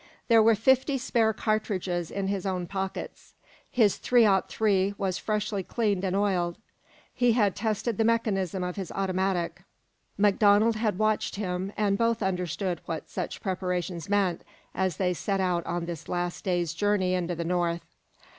There were fifty spare cartridges in his own pockets. His .303 was freshly cleaned and oiled. He had tested the mechanism of his automatic. MacDonald had watched him, and both understood what such preparations meant as they set out on this last day's journey into the North.